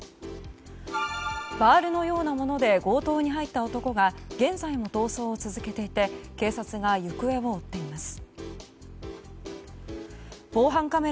バールのようなもので強盗に入った男が現在も逃走を続けていて警察が行方を追っています。